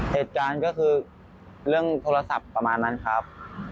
เหตุการณ์ก็คือเรื่องโทรศัพท์ประมาณนั้นครับ